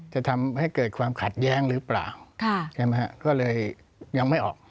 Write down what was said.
จะทำให้เกิดความขัดแย้งหรือเปล่าใช่ไหมฮะก็เลยยังไม่ออก